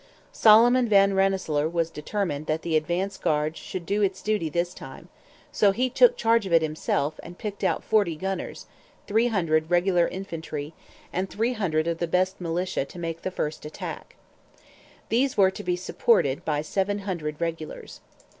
Solomon Van Rensselaer was determined that the advance guard should do its duty this time; so he took charge of it himself and picked out 40 gunners, 300 regular infantry, and 300 of the best militia to make the first attack. These were to be supported by seven hundred regulars.